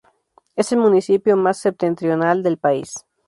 Es el municipio más septentrional del país.